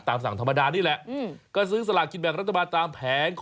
ตามสั่งธรรมดานี่แหละก็ซื้อสลากกิจแบบ